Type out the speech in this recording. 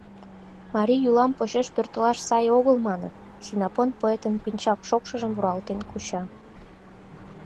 — Марий йӱла почеш, пӧртылаш сай огыл, маныт, — Синопон поэтын пинчак шокшыжым руалтен куча.